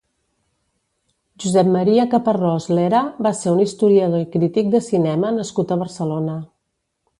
Josep Maria Caparrós Lera va ser un historiador i crític de cinema nascut a Barcelona.